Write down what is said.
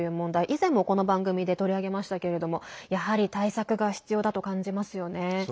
以前も、この番組で取り上げましたけれどもやはり対策が必要だと感じますよね。